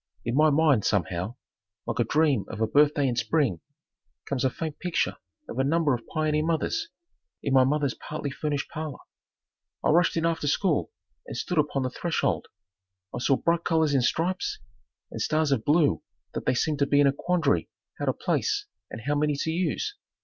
In my mind, somehow, like a dream of a birthday in spring, comes a faint picture of a number of pioneer mothers, in my mother's partly furnished parlor. I rushed in after school and stood upon the threshold. I saw bright colors in stripes, and stars of blue that they seemed to be in a quandary how to place and how many to use.